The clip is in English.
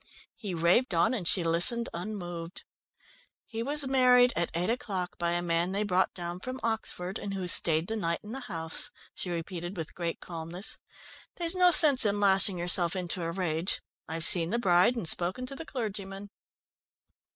He raved on, and she listened unmoved. "He was married at eight o'clock by a man they brought down from Oxford, and who stayed the night in the house," she repeated with great calmness. "There's no sense in lashing yourself into a rage. I've seen the bride, and spoken to the clergyman."